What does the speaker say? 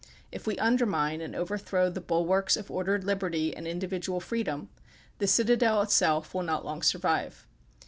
If we undermine and overthrow the bulwarks of ordered liberty and individual freedom, the citadel itself will not long survive.